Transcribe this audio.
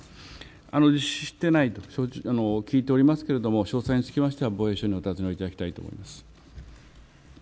実施していないと聞いておりますが詳細につきましては防衛省にお尋ねいただきたいと思います。